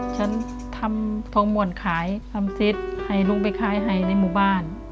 ฉันทำทองหม่อนขายทำเซตให้ลุงไปขายให้ในหมู่บ้าน